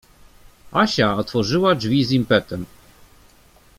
Asia otworzyła drzwi z impetem.